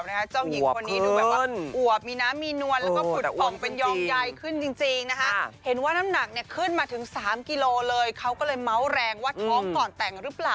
อีเซนเตอร์นี่อีเซนเตอร์เกี่ยวกับยาบำรุงเลือดอะไรอย่างนี้หรือเปล่า